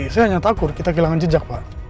saya hanya takut kita kehilangan jejak pak